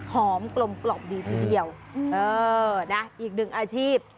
กลมกล่อมดีทีเดียวเออนะอีกหนึ่งอาชีพ